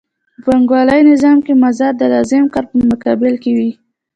په پانګوالي نظام کې مزد د لازم کار په مقابل کې وي